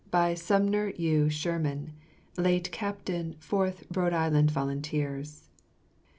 BY SUMNER U. SHEARMAN, [Late Captain, Fourth Rhode Island Volunteers.